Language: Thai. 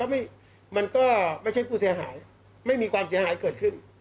มันก็ไม่ใช่ผู้เสียหายไม่มีความเสียหายเกิดขึ้น